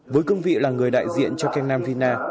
với cương vị là người đại diện cho ken nam vina